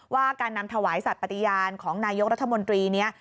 ว่าการนำถวายสัตว์ปฏิญาณของนายกรัฐมนตรีนี้